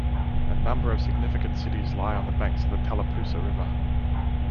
A number of significant cities lie on the banks of the Tallapoosa River.